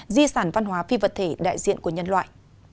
di sản văn hóa phi vật thể đại diện của nhân loại